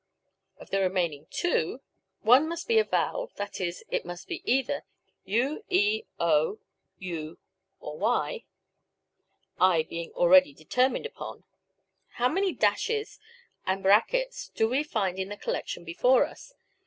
Of the remaining two, []<, one must be a vowel, that is, it must be either u, e, o, u, or y; i being already determined upon. Now how many [ ]'s and <'s do we find in the collection before us?